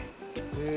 へえ！